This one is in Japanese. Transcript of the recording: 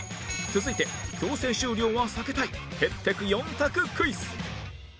続いて強制終了は避けたいへってく４択クイズ